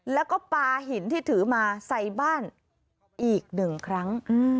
แล้วก็ปลาหินที่ถือมาใส่บ้านอีกหนึ่งครั้ง